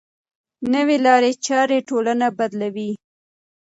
نوې لارې چارې ټولنه بدلوي.